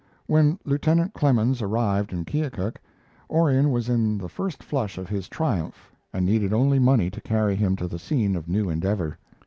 When Lieutenant Clemens arrived in Keokuk, Orion was in the first flush of his triumph and needed only money to carry him to the scene of new endeavor.